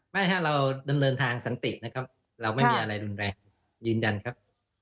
ไม่ฮะเราดำเนินทางสันตินะครับเราไม่มีอะไรรุนแรงยืนยันครับ